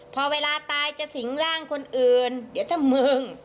พอเวลาตายจะสิงร่างคนอื่นเดี๋ยวถ้ามึง